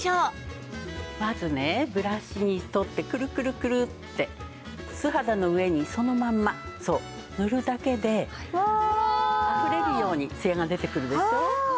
まずねブラシに取ってクルクルクルって素肌の上にそのままそう塗るだけであふれるようにツヤが出てくるでしょう？